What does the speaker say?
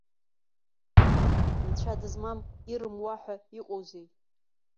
Нцәа дызмам ирымуа ҳәа иҟоузеи?